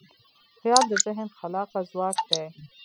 خیال د ذهن خلاقه ځواک دی.